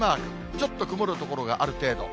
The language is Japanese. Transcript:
ちょっと曇る所がある程度。